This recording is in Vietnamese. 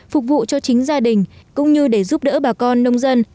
phục vụ cho chính gia đình cũng như để giúp đỡ bà con nông dân